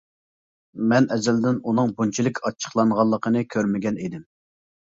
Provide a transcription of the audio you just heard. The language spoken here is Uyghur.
مەن ئەزەلدىن ئۇنىڭ بۇنچىلىك ئاچچىقلانغانلىقىنى كۆرمىگەن ئىدىم.